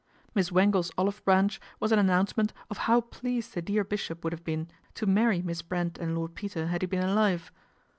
Miss V/angle's olive branch was an announce ment of how pleased the dear bishop would have been to marry Miss Brent and Lord Peter had he been alive.